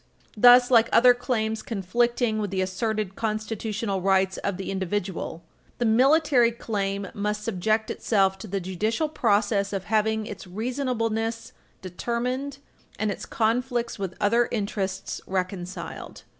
Thus, like other claims conflicting with the asserted constitutional rights of the individual, the military claim must subject itself to the judicial process of having its reasonableness determined and its conflicts with other interests reconciled.